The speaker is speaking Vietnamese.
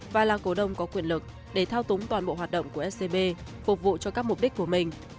và là cổ đông có quyền lực để thao túng toàn bộ hoạt động của scb phục vụ cho các mục đích của mình